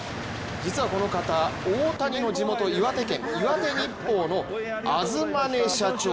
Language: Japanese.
実はこの方、大谷の地元・岩手県「岩手日報」の東根社長。